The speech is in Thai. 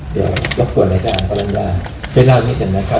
เดี๋ยวรบกวนในการกำลังงานไปเล่านิดหน่อยนะครับ